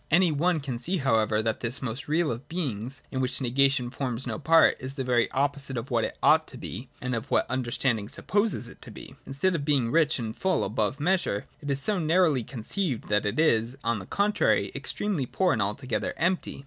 Any one can see however that this most real of beings, in which negation forms no part, is the very oppo site of what it ought to be and of what understanding sup poses it to be. Instead of being rich and full above all measure, it is so narrowly conceived that it is, on the con trary, extremely poor and altogether empty.